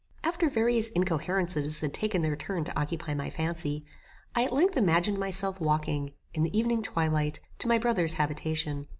After various incoherences had taken their turn to occupy my fancy, I at length imagined myself walking, in the evening twilight, to my brother's habitation.